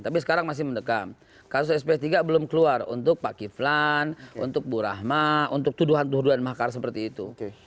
tapi sekarang masih mendekam kasus sp tiga belum keluar untuk pak kiflan untuk bu rahma untuk tuduhan tuduhan makar seperti itu